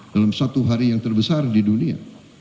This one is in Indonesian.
dalam satu hari yang terbesar di dunia